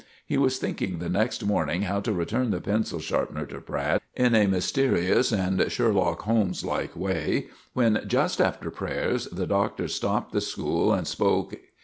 He was thinking the next morning how to return the pencil sharpener to Pratt in a mysterious and Sherlock Holmes like way, when, just after prayers, the Doctor stopped the school and spoke.